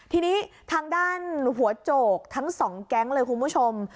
ทีนี้ทางด้านหัวโจกทั้งสองแก๊งเลยคุณผู้ชม